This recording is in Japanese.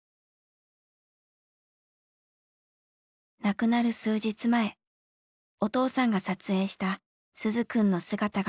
亡くなる数日前お父さんが撮影した鈴くんの姿が残っていました。